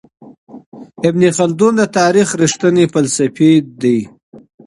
ابن خلدون د تاريخ رښتينی فلسفي دی.